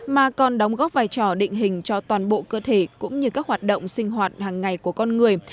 mà còn đóng góp vai trò định hình cho toàn bộ cơ thể cũng như các hoạt động sinh hoạt hàng ngày của con người